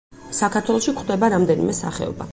საქართველოში გვხვდება რამდენიმე სახეობა.